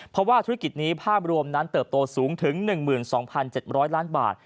เพราะว่าธุรกิจนี้ภาพรวมนั้นเติบโตสูงถึง๑๒๗๐๐ล้านบาท